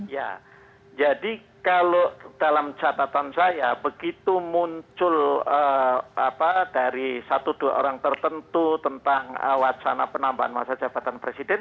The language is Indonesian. ya jadi kalau dalam catatan saya begitu muncul dari satu dua orang tertentu tentang wacana penambahan masa jabatan presiden